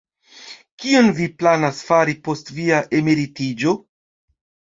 Kion vi planas fari post via emeritiĝo?